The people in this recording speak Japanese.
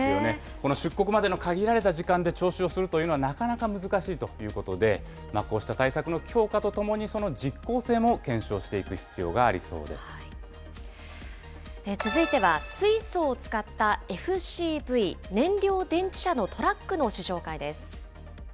この出国までの限られた時間で徴収をするというのは、なかなか難しいということで、こうした対策の強化とともに、その実効性も検証してい続いては、水素を使ったＦＣＶ・燃料電池車のトラックの試乗会です。